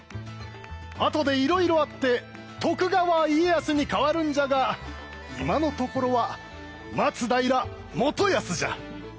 あとでいろいろあって徳川家康に変わるんじゃが今のところは松平元康じゃ！